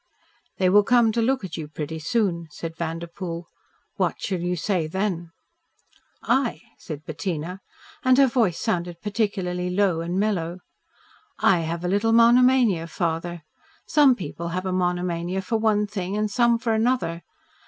"They will come to look at you pretty soon," said Vanderpoel. "What shall you say then?" "I?" said Bettina, and her voice sounded particularly low and mellow. "I have a little monomania, father. Some people have a monomania for one thing and some for another.